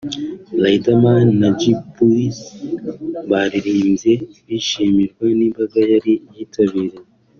Riderman na Dj Pius bararirimbye bishimirwa n’imbaga yari yitabiriye